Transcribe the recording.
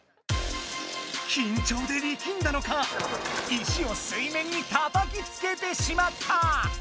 きんちょうで力んだのか石を水面にたたきつけてしまった！